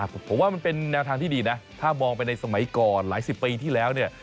ผมว่ามันเป็นแนวทางที่ดีนะถ้ามองไปในสมัยก่อนหลายสิบปีที่แล้วเนี่ย